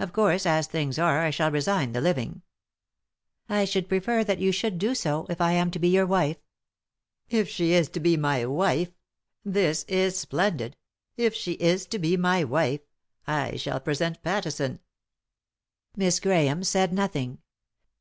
Of course, as things are, I shall resign the living." " I should prefer that you should do so, if I am to be your wife." " If she is to be my wife 1 — this is splendid 1 — if she is to be my wife 1 — I shall present Pattison." Miss Grahame said nothing.